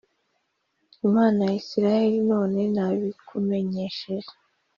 Imana ya Israheli, none ndabikumenyesheje.